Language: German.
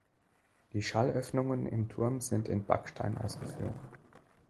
Die Schallöffnungen im Turm sind in Backstein ausgeführt.